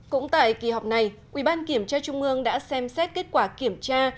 cũng tại kỳ họp này ủy ban kiểm tra trung ương đã xem xét kết quả kiểm tra